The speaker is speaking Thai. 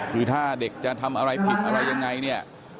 คือถ้าเด็กจะทำอะไรผิดอะไรยังไงเนี่ย